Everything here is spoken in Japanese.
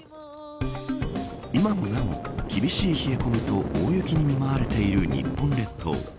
今もなお、厳しい冷え込みと大雪に見舞われている日本列島。